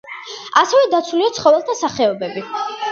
ასევე დაცულია ცხოველთა სახეობები.